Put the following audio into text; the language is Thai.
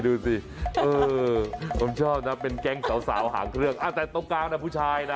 ดูสิเออผมชอบนะเป็นแก๊งสาวหางเครื่องแต่ตรงกลางนะผู้ชายนะ